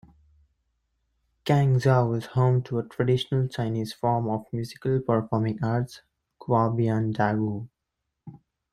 Cangzhou is home to a traditional Chinese form of musical performing arts, Kuaiban Dagu.